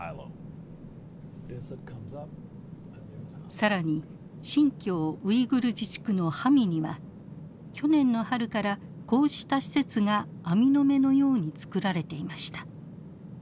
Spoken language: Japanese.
更に新疆ウイグル自治区のハミには去年の春からこうした施設が網の目のように造られていました。